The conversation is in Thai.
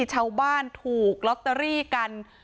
ชาวบ้านถูกลอตเตอรี่กัน